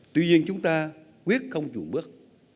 tuy nhiên chúng ta quyết không dùng bước